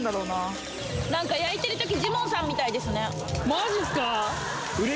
マジっすか！